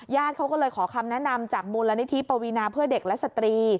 เขาก็เลยขอคำแนะนำจากมูลนิธิปวีนาเพื่อเด็กและสตรี